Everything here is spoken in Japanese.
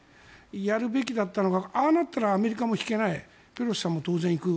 やるべきだったのがああなったらアメリカも引けないペロシさんも当然行く。